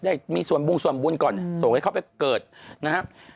ได้มีส่วนบุงส่วนบุญก่อนส่งให้เขาไปเกิดนะครับ